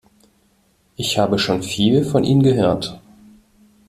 Ich habe schon viel von Ihnen gehört.